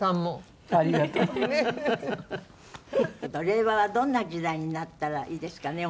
令和はどんな時代になったらいいですかね？